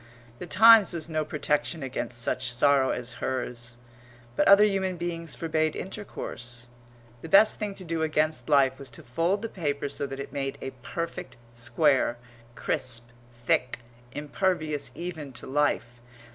The Times was no protection against such sorrow as hers. But other human beings forbade intercourse. The best thing to do against life was to fold the paper so that it made a perfect square, crisp, thick, impervious even to life.